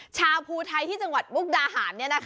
ภูไทยที่จังหวัดมุกดาหาร